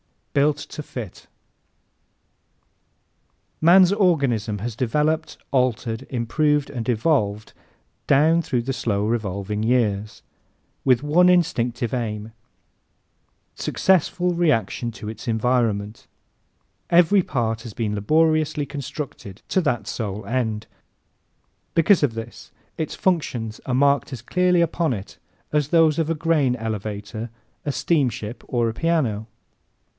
Built to Fit ¶ Man's organism has developed, altered, improved and evolved "down through the slow revolving years" with one instinctive aim successful reaction to its environment. Every part has been laboriously constructed to that sole end. Because of this its functions are marked as clearly upon it as those of a grain elevator, a steamship or a piano.